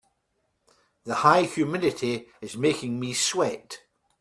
The high humidity is making me sweat.